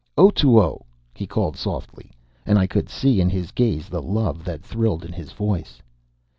"Otoo!" he called softly. And I could see in his gaze the love that thrilled in his voice.